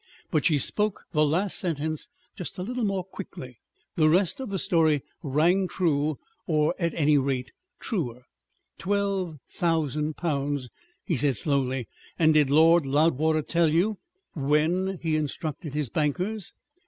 But she spoke the last sentence just a little more quickly. The rest of the story rang true, or, at any rate, truer. "Twelve thousand pounds," he said slowly. "And did Lord Loudwater tell you when he instructed his bankers?"